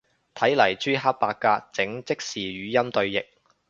嚟緊朱克伯格整即時語音對譯